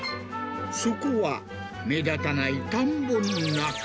そこは目立たない田んぼの中。